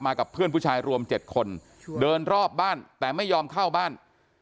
กับเพื่อนผู้ชายรวม๗คนเดินรอบบ้านแต่ไม่ยอมเข้าบ้าน